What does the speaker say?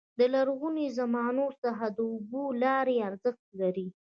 د لرغوني زمانو څخه د اوبو لارې ارزښت لري.